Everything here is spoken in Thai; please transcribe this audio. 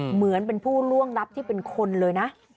เหมือนเป็นผู้ล่วงลับที่เป็นคนเลยนะ